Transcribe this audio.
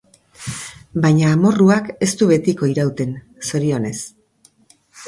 Baina amorruak ez du betiko irauten, zorionez.